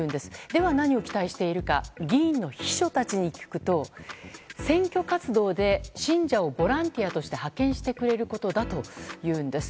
では、何を期待しているか議員の秘書たちに聞くと選挙活動で信者をボランティアとして派遣してくれることだというんです。